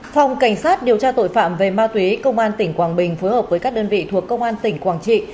phòng cảnh sát điều tra tội phạm về ma túy công an tỉnh quảng bình phối hợp với các đơn vị thuộc công an tỉnh quảng trị